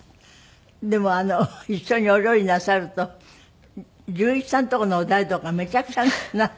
でも一緒にお料理なさると龍一さんのところのお台所がめちゃくちゃになるんですって？